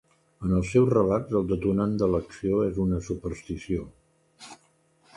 En els seus relats el detonant de l'acció és una superstició.